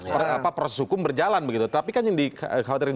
proses hukum berjalan begitu tapi kan yang dikhawatirkan